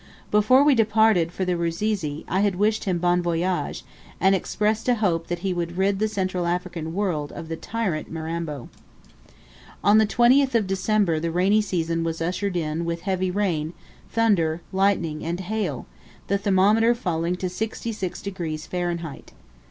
Before we had departed for the Rusizi, I had wished him bon voyage, and expressed a hope that he would rid the Central African world of the tyrant Mirambo. On the 20th of December the rainy season was ushered in with heavy rain, thunder, lightning, and hail; the thermometer falling to 66 degrees Fahrenheit.